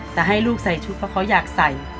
แต่ให้ลูกใส่ชุดเพราะเขาอยากใส่